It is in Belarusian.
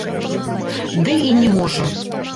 Ды і не можа.